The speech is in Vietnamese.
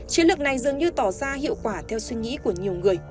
chiến lược này dường như tỏ ra hiệu quả theo suy nghĩ của nhiều người